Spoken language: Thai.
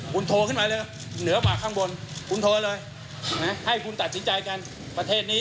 คุณโทรขึ้นมาเลยเหนือปากข้างบนคุณโทรเลยให้คุณตัดสินใจกันประเทศนี้